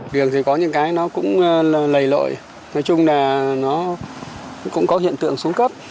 đường thì có những cái nó cũng lề lội nói chung là nó cũng có hiện tượng xuống cấp